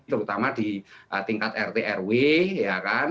terutama di tingkat rt rw ya kan